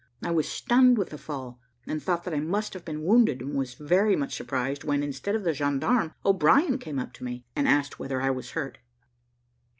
I was stunned with the fall, and thought that I must have been wounded; and was very much surprised, when, instead of the gendarme, O'Brien came up to me, and asked whether I was hurt.